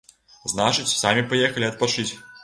Значыць, самі паехалі адпачыць.